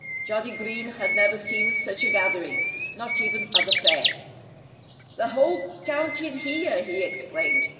Johnnie Green had never seen such a gathering not even at the fair. "The whole county's here!" he exclaimed.